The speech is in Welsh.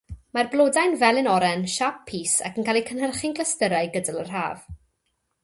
Mae'r blodau'n felyn-oren, siâp pys ac yn cael eu cynhyrchu'n glystyrau gydol yr haf.